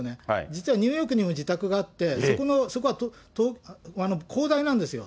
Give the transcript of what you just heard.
実はニューヨークにも自宅があって、そこは広大なんですよ。